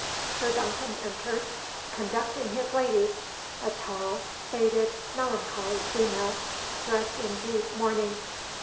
Sir Duncan entered, conducting his lady, a tall, faded, melancholy female, dressed in deep mourning.